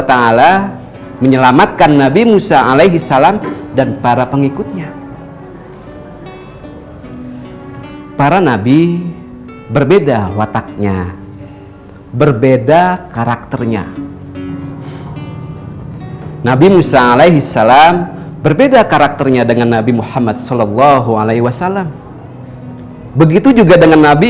terima kasih semuanya